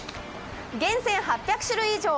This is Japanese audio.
「厳選８００種類以上！